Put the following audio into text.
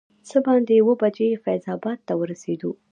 څه باندې اووه بجې فیض اباد ته ورسېدو.